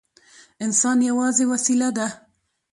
انسان یوازې وسیله ده.